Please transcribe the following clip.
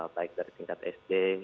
baik dari tingkat sd